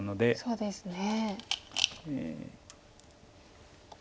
そうですね。